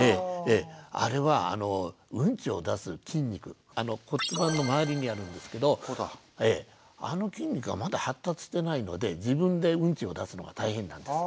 あれはウンチを出す筋肉骨盤の周りにあるんですけどあの筋肉がまだ発達してないので自分でウンチを出すのが大変なんです。